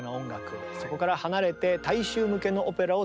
そこから離れて大衆向けのオペラを作りました。